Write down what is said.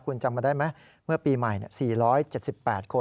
คุณจำมาได้ไหมเมื่อปีใหม่๔๗๘คน